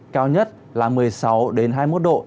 cao nhất là một mươi sáu hai mươi một độ